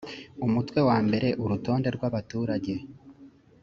umutwe wa mbere urutonde rwabaturage